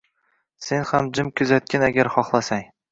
Sen ham jim kuzatgin… agar xohlasang